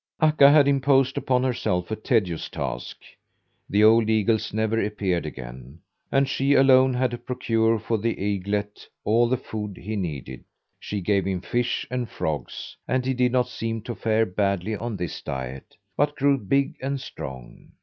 Akka had imposed upon herself a tedious task. The old eagles never appeared again, and she alone had to procure for the eaglet all the food he needed. She gave him fish and frogs and he did not seem to fare badly on this diet, but grew big and strong.